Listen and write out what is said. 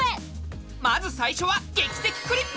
まず最初は「劇的クリップ」！